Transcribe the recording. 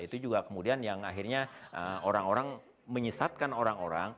itu juga kemudian yang akhirnya orang orang menyesatkan orang orang